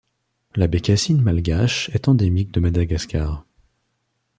La Bécassine malgache est endémique de Madagascar.